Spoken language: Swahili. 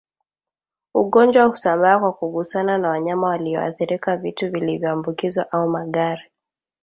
ugonjwa husambaa kwa kugusana na wanyama walioathirika vitu vilivyoambukizwa au magari